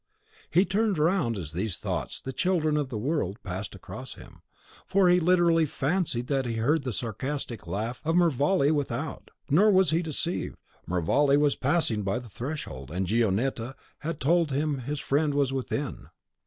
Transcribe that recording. He turned round, as these thoughts, the children of the world, passed across him, for he literally fancied that he heard the sarcastic laugh of Mervale without. Nor was he deceived. Mervale was passing by the threshold, and Gionetta had told him his friend was within.